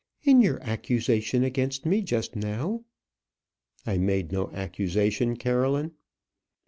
"In your accusation against me just now " "I made no accusation, Caroline."